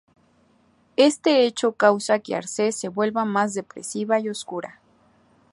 Éste hecho causa que Arcee se vuelva más depresiva y oscura.